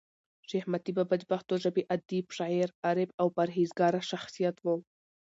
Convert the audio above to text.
شېخ متي بابا دپښتو ژبي ادیب، شاعر، عارف او پر هېزګاره شخصیت وو.